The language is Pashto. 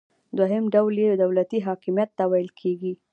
دوهم ډول یې دولتي حاکمیت ته ویل کیږي.